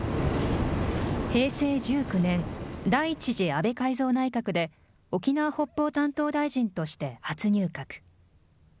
平成１９年、第１次安倍改造内閣で、沖縄・北方担当大臣として初入閣。